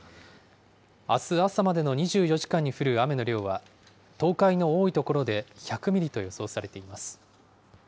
あす朝までの２４時間に降る雨の量は、東海の多い所で１００ミリと予想されています。